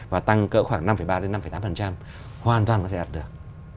và tăng cỡ khoảng năm ba đến năm tám hoàn toàn nó sẽ đạt được